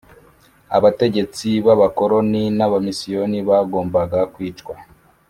abategetsi b abakoroni n abamisiyoneri bagombaga kwicwa